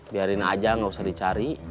biarin aja nggak usah dicari